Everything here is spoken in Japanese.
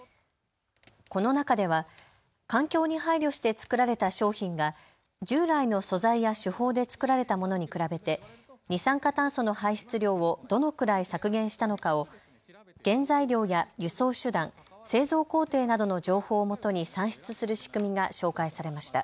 この中では環境に配慮して作られた商品が従来の素材や手法で作られたものに比べて二酸化炭素の排出量をどのくらい削減したのかを原材料や輸送手段、製造工程などの情報をもとに算出する仕組みが紹介されました。